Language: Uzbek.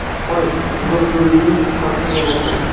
Hoy, uzoq yo`l yurib, horigan yo`lovchi